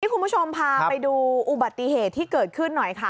คุณผู้ชมพาไปดูอุบัติเหตุที่เกิดขึ้นหน่อยค่ะ